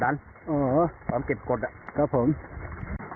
ตำรวจกวาดร้อนเข้าเนื้อ